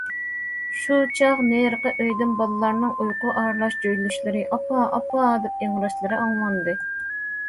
شۇ چاغ نېرىقى ئۆيدىن بالىلارنىڭ ئۇيقۇ ئارىلاش جۆيلۈشلىرى،« ئاپا، ئاپا» دەپ ئىڭراشلىرى ئاڭلاندى.